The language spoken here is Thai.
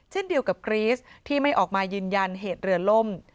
เช่นเดียวกับกรีสที่ไม่ออกมายืนยันเหตุเรือล่ม